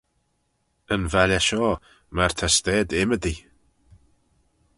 Yn valley shoh, myr ta stayd ymmodee.